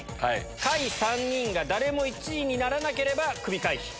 下位３人が誰も１位にならなければクビ回避。